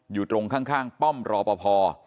อยู่ตรงข้างป้อมรอปภ